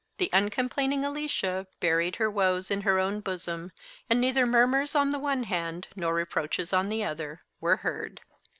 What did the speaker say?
The uncomplaining Alicia buried her woes in her own bosom; and neither murmurs on the one hand, nor reproaches on the other, were heard.